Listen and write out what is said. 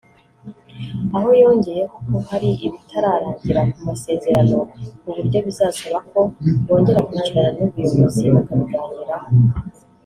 Aha yongeyeho ko hari ibitararangira ku masezerano ku buryo bizasaba ko bongera kwicarana Nubyobozi bakabiganiraho